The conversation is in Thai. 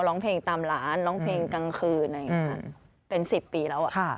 ร้องเพลงตามร้านร้องเพลงกลางคืนเป็น๑๐ปีแล้วค่ะ